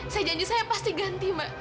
saya janji saya pasti ganti mbak